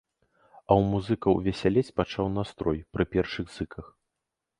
А ў музыкаў весялець пачаў настрой пры першых зыках.